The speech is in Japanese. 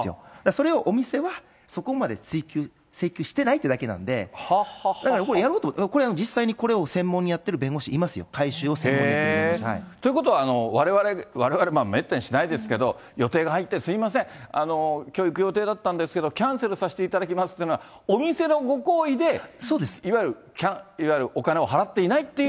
それをお店はそこまで追及、請求してないっていうだけなんで、だからこれ、やろうと思えば、これを専門にやってる弁護士いますよ、ということは、われわれ、まあめったにしないですけど、予定が入ってすみません、きょう行く予定だったんですけど、キャンセルさせていただきますというのは、お店のご厚意で、いわゆるお金を払っていないっていう。